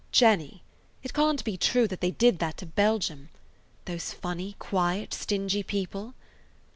"Jenny, it can't be true that they did that to Belgium? Those funny, quiet, stingy people!"